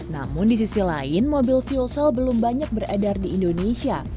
namun di sisi lain mobil fuel cell belum banyak beredar di indonesia